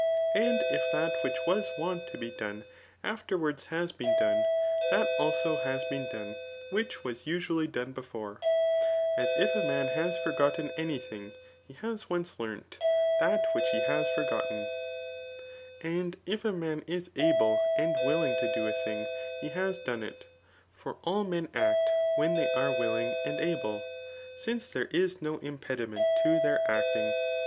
And if that which was wont to be done after wards has been done, that also has bieen done, which was usually done before } as if a man has forgotten any thing, he has once learnt that which he has forgotten* And if a man is able and willihg to do a thing he has done it ; for all men act, when they are willing and able; dnce there is then no impediment to their actmg.